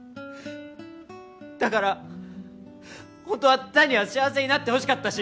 だからホントは弾には幸せになってほしかったし